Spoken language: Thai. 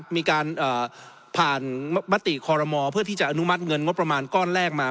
มีการผ่านมติคอรมอเพื่อที่จะอนุมัติเงินงบประมาณก้อนแรกมา